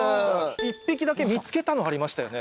１匹だけ見つけたのありましたよね